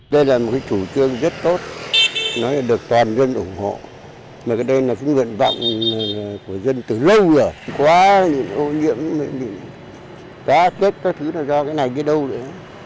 đây là một chủ trương rất tốt được toàn dân ủng hộ mà đây là vận vọng của dân từ lâu rồi quá nhiều ô nhiễm cá kết cái thứ này do cái này cái đâu nữa